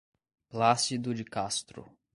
Plácido de Castro